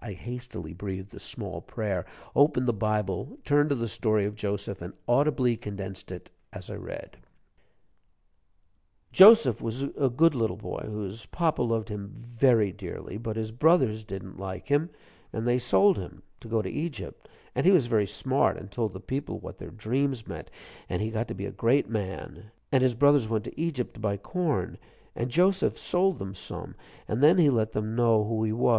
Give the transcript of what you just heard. I hastily breathed a small prayer, opened the Bible, turned to the story of Joseph, and audibly condensed it as I read: "Joseph was a good little boy whose papa loved him very dearly. But his brothers didn't like him. And they sold him, to go to Egypt. And he was very smart, and told the people what their dreams meant, and he got to be a great man. And his brothers went to Egypt to buy corn, and Joseph sold them some, and then he let them know who he was.